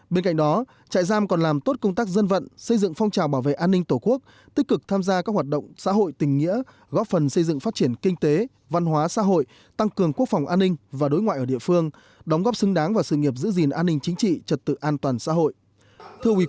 bên cạnh đó trại giam còn làm tốt công tác dân vận xây dựng phong trào bảo vệ an ninh tổ quốc tích cực tham gia các hoạt động xã hội tình nghĩa góp phần xây dựng phát triển kinh tế văn hóa xã hội tăng cường quốc phòng an ninh và đối ngoại ở địa phương đóng góp xứng đáng vào sự nghiệp giữ gìn an ninh chính trị trật tự an toàn xã hội